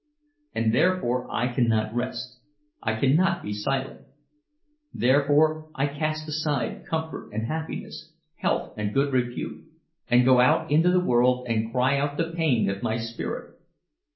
And therefore I cannot rest, I cannot be silent; therefore I cast aside comfort and happiness, health and good repute—and go out into the world and cry out the pain of my spirit!